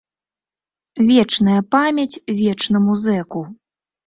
Вечная памяць вечнаму зэку!